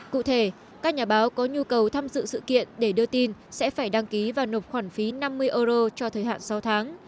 cụ thể các nhà báo có nhu cầu tham dự sự kiện để đưa tin sẽ phải đăng ký và nộp khoản phí năm mươi euro cho thời hạn sáu tháng